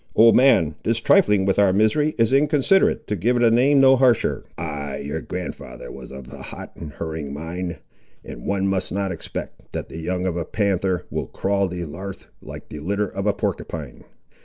"Old man, this trifling with our misery is inconsiderate, to give it a name no harsher—" "Ay, your grand'ther was of a hot and hurrying mind, and one must not expect, that the young of a panther will crawl the 'arth like the litter of a porcupine.